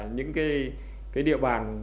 những địa bàn